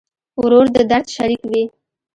ورور د درد شریک وي.